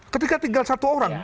ketika tinggal satu orang